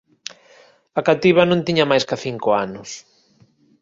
A cativa non tiña máis ca cinco anos.